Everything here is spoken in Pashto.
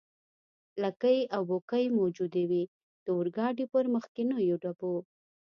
لکۍ او بوکۍ موجودې وې، د اورګاډي پر مخکنیو ډبو.